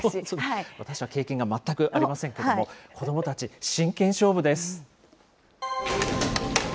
私は経験が全くありませんけれども、子どもたち、真剣勝負です。